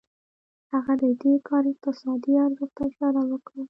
هغه د دې کار اقتصادي ارزښت ته اشاره وکړه